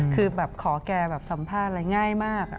คือแบบขอแกแบบสัมภาษณ์อะไรง่ายมาก